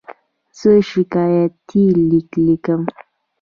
زه شکایتي لیک لیکم.